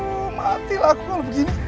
oh matilah aku kalau begini